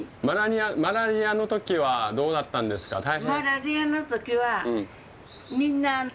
マラリアの時はどうだったんですか大変？